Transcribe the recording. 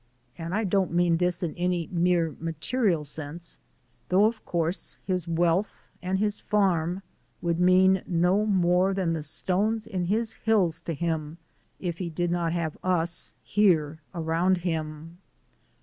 And I don't mean this in any mere material sense, though of course his wealth and his farm would mean no more than the stones in his hills to him if he did not have us here around him.